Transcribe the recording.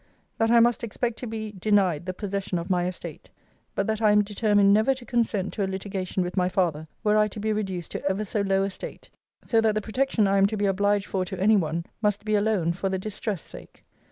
That I must expect to be denied the possession of my estate: but that I am determined never to consent to a litigation with my father, were I to be reduced to ever so low a state: so that the protection I am to be obliged for to any one, must be alone for the distress sake.